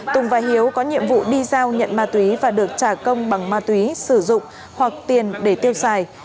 tùng và hiếu có nhiệm vụ đi giao nhận ma túy và được trả công bằng ma túy sử dụng hoặc tiền để tiêu xài